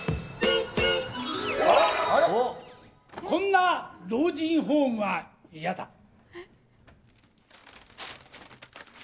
こんな老人ホームは嫌だ。